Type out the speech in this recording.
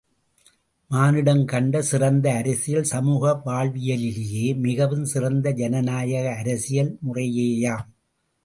மானுடம் கண்ட சிறந்த அரசியல் சமூக வாழ்வியலிலேயே மிகவும் சிறந்தது ஜனநாயக அரசியல் முறையேயாம்.